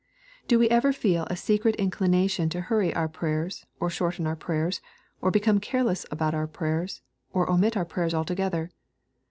'' Do we ever feel a secret inclination to hurry our pray ers, or shorten our prayers, or become careless about our prayers, or omit our prayers altogether